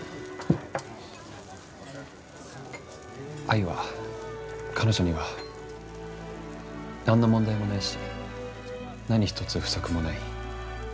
愛は彼女には何の問題もないし何一つ不足もない。